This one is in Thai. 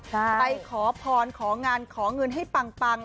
ไปขอพรของานขอเงินให้ปัง